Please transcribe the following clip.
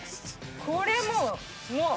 これもう。